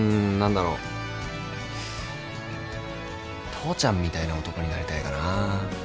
父ちゃんみたいな男になりたいかな。